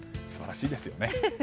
素晴らしいですよね。